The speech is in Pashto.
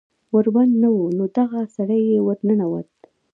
ور بند نه و نو دغه سړی پې ور ننوت